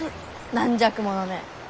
軟弱者め！